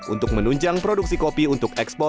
untuk menunjang produksi kopi untuk ekspor